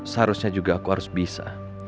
seharusnya juga aku harus bisa